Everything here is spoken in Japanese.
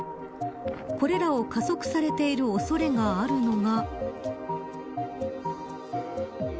これらを加速させている恐れがあるのが。